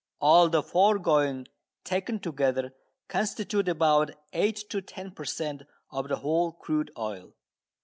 All the foregoing taken together constitute about 8 to 10 per cent. of the whole crude oil.